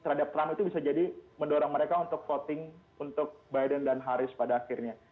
terhadap trump itu bisa jadi mendorong mereka untuk voting untuk biden dan harris pada akhirnya